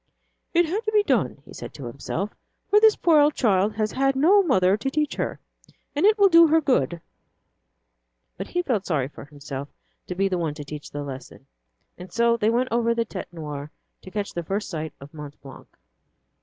"It had to be done," he said to himself, "for the poor child has had no mother to teach her, and it will do her good." But he felt sorry for himself to be the one to teach the lesson. And so they went over the Tête Noire to catch the first sight of Mont Blanc.